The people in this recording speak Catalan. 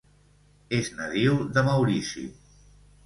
És nadiu de Maurici.